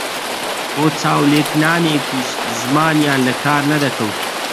بۆ چاو لێکنانێکیش زمانیان لە کار نەدەکەوت